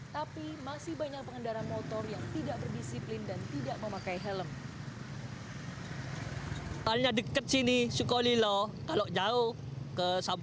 tapi masih banyak pengendara motor yang tidak berdisiplin dan tidak memakai helm